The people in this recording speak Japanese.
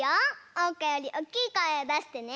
おうかよりおっきいこえをだしてね。